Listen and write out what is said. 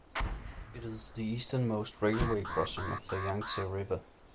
It is the easternmost railway crossing of the Yangtze river.